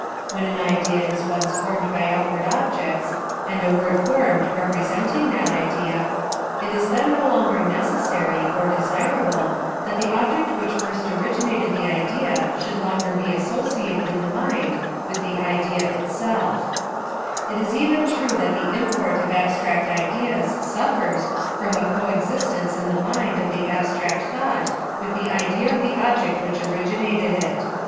When an idea is once formed by outward objects, and a word formed re presenting that idea, it is then no longer necessary, or desirable, that the object which first originated the idea should longer be associated in the mind with the idea itself It is even true that the import of abstract ideas suflfers from a co existence in t!ie mind of the abstract thought with the idea of the object which originated it.